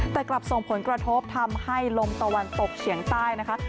แต่กลับส่งผลกระทบทำให้ลมตะวันตกเฉียงใต้นะคะ